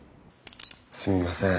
すいません。